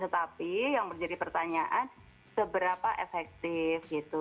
tetapi yang menjadi pertanyaan seberapa efektif gitu